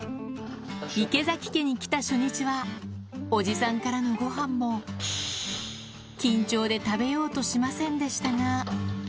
池崎家に来た初日は、おじさんからのごはんも、緊張で食べようとしませんでしたが。